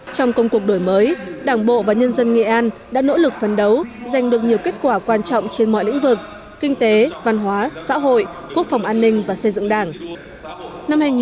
trong công cuộc đổi mới đảng bộ và nhân dân nghệ an đã nỗ lực phấn đấu giành được nhiều kết quả quan trọng trên mọi lĩnh vực kinh tế văn hóa xã hội quốc phòng an ninh và xây dựng đảng